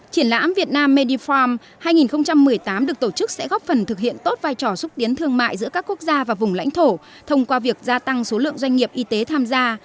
triển lãm việt nam medifarm hai nghìn một mươi tám được tổ chức sẽ góp phần thực hiện tốt vai trò xúc tiến thương mại giữa các quốc gia và vùng lãnh thổ thông qua việc gia tăng số lượng doanh nghiệp y tế tham gia